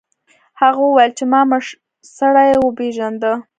هغه وویل چې ما مړ سړی وپیژنده.